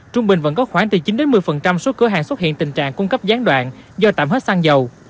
trung bình vẫn có khoảng từ chín một mươi số cửa hàng xuất hiện tình trạng cung cấp gián đoạn do tạm hết xăng dầu